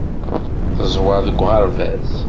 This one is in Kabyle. Teẓwer deg uɣerbaz.